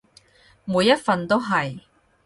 每一份都係